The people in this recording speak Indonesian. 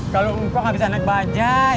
kalau ngkong ga bisa naik bajaj